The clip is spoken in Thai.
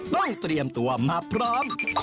ต้องเตรียมตัวมาพร้อม